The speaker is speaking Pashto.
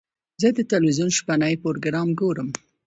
زه د تلویزیون شپهني پروګرام ګورم.